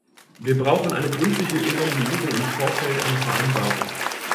Wir brauchen eine gründliche Evaluierung im Vorfeld einer Vereinbarung.